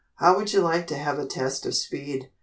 How would you like to have a test of speed?"